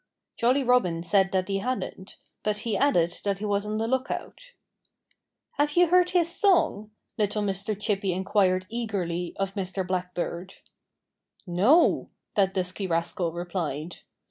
Jolly Robin said that he hadn't; but he added that he was on the lookout. "Have you heard his song?" little Mr. Chippy inquired eagerly of Mr. Blackbird. "No!" that dusky rascal replied.